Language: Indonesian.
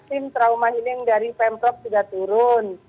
tim trauma healing dari pemprov sudah turun